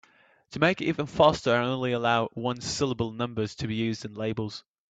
To make it even faster, I only allow one-syllable numbers to be used in labels.